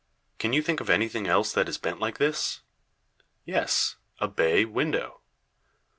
Can you think of anything else that is bent like this? Yes a bay window.